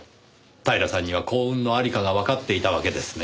平さんには幸運のありかがわかっていたわけですね。